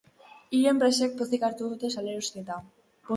Hiru enpresek pozik hartu dute salerosketa.